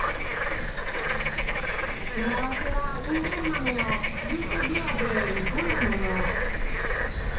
付け合わせはインゲン豆をルートビアで煮込んだもの。